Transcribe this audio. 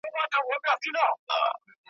زه هم نه پرېږدم رمې ستا د پسونو .